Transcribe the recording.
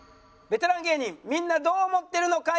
ベテラン芸人みんなどう思ってる？の会。